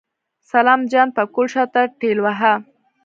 سلام جان پکول شاته ټېلوهه.